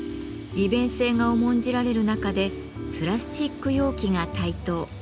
利便性が重んじられる中でプラスチック容器が台頭。